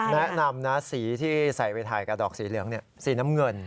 แนะนำนะสีที่ใส่ไปถ่ายกับดอกสีเหลืองสีน้ำเงิน